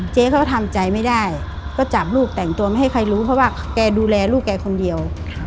เจ๊เขาก็ทำใจไม่ได้ก็จับลูกแต่งตัวไม่ให้ใครรู้เพราะว่าแกดูแลลูกแกคนเดียว